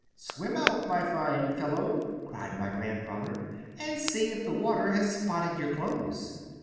"'Swim out, my fine fellow,' cried my grandfather, 'and see if the water has spotted your clothes.